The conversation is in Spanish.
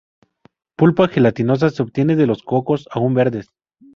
Pulpa gelatinosa: se obtiene de los cocos aún verdes.